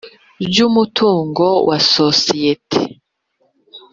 by umutungo wa sosiyete